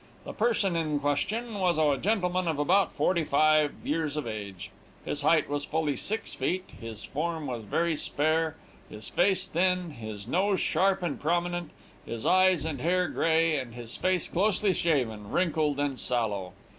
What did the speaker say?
The person in question was a gentleman of about forty five years of age. His height was fully six feet, his form was very spare, his face thin, his nose sharp and prominent, his eyes and hair grey, and his face closely shaven, wrinkled, and sallow.